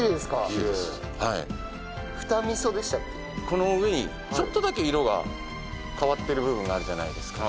この上にちょっとだけ色が変わってる部分があるじゃないですか。